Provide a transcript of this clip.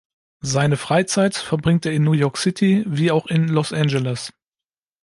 Seine Freizeit verbringt er in New York City wie auch in Los Angeles.